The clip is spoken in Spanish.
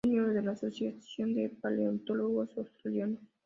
Es miembro de la Asociación de Paleontólogos Australianos.